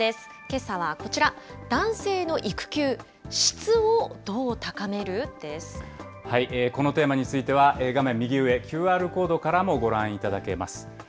けさはこちら、男性の育休、このテーマについては、画面右上、ＱＲコードからもご覧いただけます。